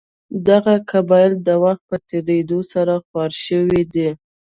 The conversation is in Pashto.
دغه قبایل د وخت په تېرېدو سره خواره شوي دي.